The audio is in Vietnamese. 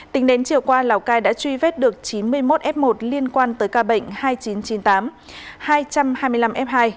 tính đến chiều qua lào cai đã truy vết được chín mươi một f một liên quan tới ca bệnh hai nghìn chín trăm chín mươi tám hai trăm hai mươi năm f hai